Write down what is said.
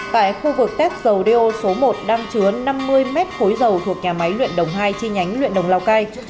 tại khu vực tết dầu điêu số một đang chứa năm mươi mét khối dầu thuộc nhà máy luyện đồng hai chi nhánh luyện đồng lào cai